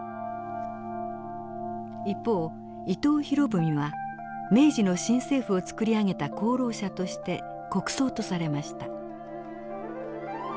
一方伊藤博文は明治の新政府を作り上げた功労者として国葬とされました。